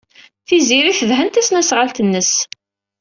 Tiziri tedhen tasnasɣalt-nnes.